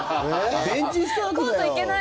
コート行けない。